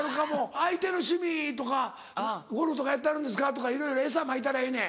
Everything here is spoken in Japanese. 相手の趣味とか「ゴルフとかやってはるんですか？」とかいろいろエサまいたらええねん。